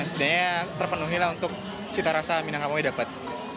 sebenarnya terpenuhi untuk cita rasa minangkabau yang dapat